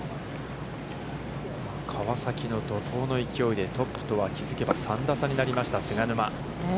川崎の怒涛の勢いでトップとは気づけば３打差になりました、菅沼。